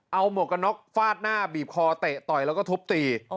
เอาหมวกกันน็อกฟาดหน้าบีบคอเตะต่อยแล้วก็ทุบตี